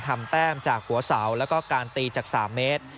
แต้มจากหัวเสาแล้วก็การตีจาก๓เมตร